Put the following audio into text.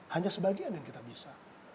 hanya sebagian yang kita bisa